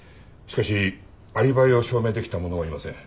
しかしアリバイを証明できた者はいません。